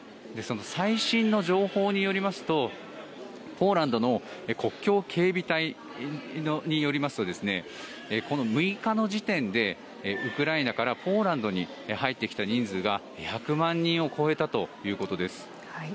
最新の情報によりますとポーランドの国境警備隊によりますとこの６日の時点でウクライナからポーランドに入ってきた人数が１００万人を超えたということです。